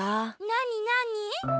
なになに？